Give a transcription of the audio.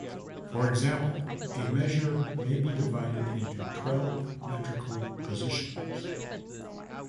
For example, a measure may be divided into twelve metrical positions.